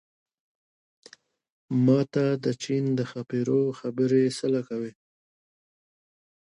ما ته د چين د ښاپېرو خبرې څه له کوې